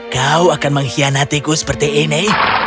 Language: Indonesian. kau akan mengkhianatiku seperti ini